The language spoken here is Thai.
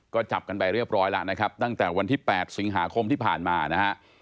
ก็จับกันไปเรียบร้อยแล้วนะครับตั้งแต่วันที่๘สิงหาคมที่ผ่านมานะฮะ